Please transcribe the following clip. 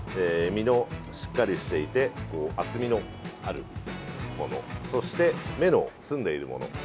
身のしっかりしていて厚みのあるものそして、目の澄んでいるもの